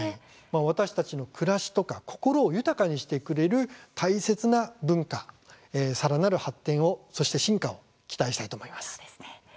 私たちの暮らしとか心を豊かにしてくれる大切な文化さらなる発展を、そして進化を期待したいと思います。